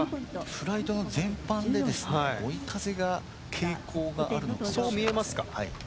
フライトの全般で追い風が傾向があるのかもしれない。